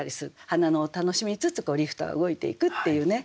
花野を楽しみつつリフトが動いていくっていうね。